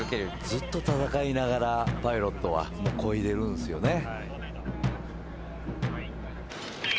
ずっと闘いながらパイロットは漕いでるんですよね。